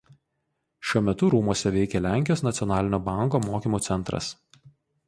Šiuo metu rūmuose veikia Lenkijos Nacionalinio Banko mokymų centras.